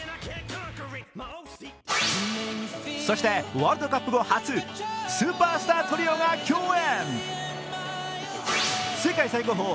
ワールドカップ後初、スーパースタートリオが共演。